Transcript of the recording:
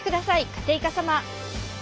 カテイカ様！